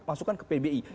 masukkan ke pbi